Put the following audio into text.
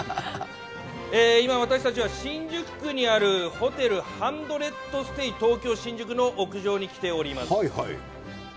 今、私たちは新宿区にある、ホテル、ハンドレッドステイ東京新宿の屋上に来ております。